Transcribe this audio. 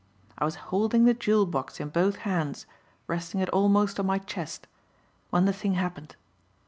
"I was holding the jewel box in both hands resting it almost on my chest when the thing happened.